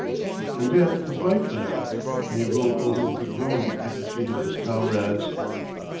And then his light went out, and he rolled over with a groan at the feet of his comrades.